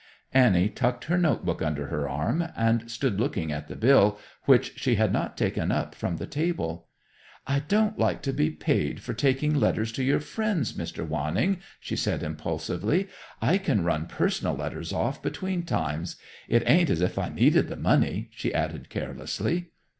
Annie tucked her notebook under her arm and stood looking at the bill which she had not taken up from the table. "I don't like to be paid for taking letters to your friends, Mr. Wanning," she said impulsively. "I can run personal letters off between times. It ain't as if I needed the money," she added carelessly.